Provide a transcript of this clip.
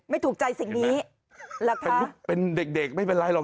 ไม่ถูกใจสิ่งนี้รักภาคาะเป็นเด็กไม่เป็นไรหรอก